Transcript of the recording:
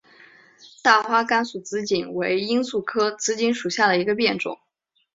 大花甘肃紫堇为罂粟科紫堇属下的一个变种。